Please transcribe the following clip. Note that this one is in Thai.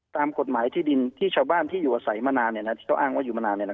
ตามกฎหมายที่ดินที่ชาวบ้านที่อยู่อาศัยมานาน